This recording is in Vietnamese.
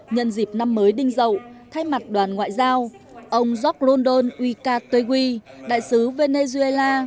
nhân dịp năm mới đinh dậu thay mặt đoàn ngoại giao ông jock london uyka tuegui đại sứ venezuela